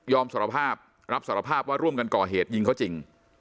สารภาพรับสารภาพว่าร่วมกันก่อเหตุยิงเขาจริง